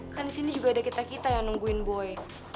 kan disini juga ada kita kita yang nungguin boy